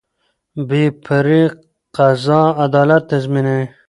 بې پرې قضا عدالت تضمینوي